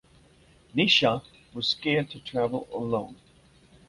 Nisha was scared to travel alone.